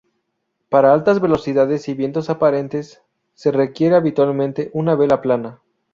Para altas velocidades y vientos "aparentes", se requiere habitualmente una vela plana.